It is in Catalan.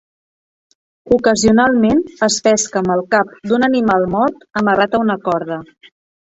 Ocasionalment es pesca amb el cap d'un animal mort amarrat a una corda.